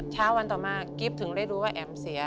เช้าวันต่อมากิ๊บถึงได้รู้ว่าแอ๋มเสีย